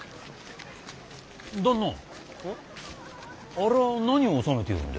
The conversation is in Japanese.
あれは何を納めているんで？